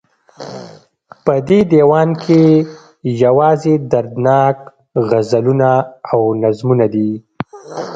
په دې ديوان کې يوازې دردناک غزلونه او نظمونه دي